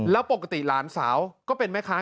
แล้วปกติหลานสาวก็เป็นแม่ค้า